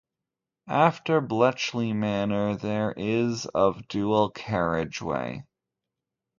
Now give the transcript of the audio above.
After Bletchley Manor, there is of dual carriageway.